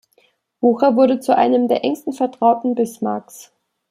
Bucher wurde zu einem der engsten Vertrauten Bismarcks.